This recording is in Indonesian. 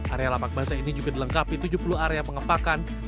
area lapak basah ini juga dilengkapi tujuh puluh area pengepakan